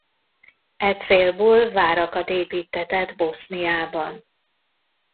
E célból várakat építtetett Boszniában.